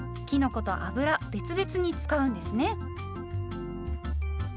きのこと油別々に使うんですね。